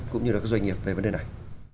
cũng như là các doanh nghiệp về vấn đề này